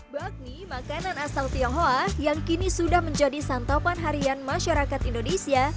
bakmi makanan asal tionghoa yang kini sudah menjadi santapan harian masyarakat indonesia